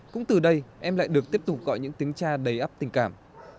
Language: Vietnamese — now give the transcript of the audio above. cũng từ đây em lại được tiếp tục gọi những tiếng cha đầy ấp tình cảm